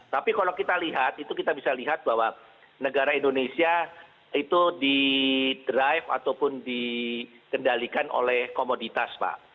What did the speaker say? tapi kalau kita lihat itu kita bisa lihat bahwa negara indonesia itu di drive ataupun dikendalikan oleh komoditas pak